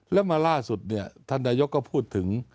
แล้วมาล่าสุดท่านัยก็พูดถึง